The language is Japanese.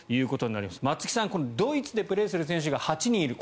松木さんドイツでプレーする選手が８人いる。